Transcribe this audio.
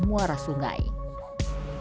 ikan ini biasanya hidup di daerah